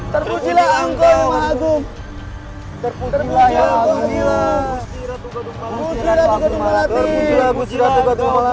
terpujilah angkoh yang maha agung